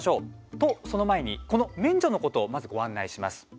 と、その前にこの免除のことをまず、ご案内します。